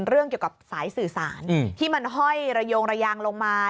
เรื่องเกี่ยวกับสายสื่อสารที่มันห้อยระโยงระยางลงมา